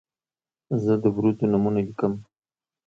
زه د ورځو نومونه لیکم.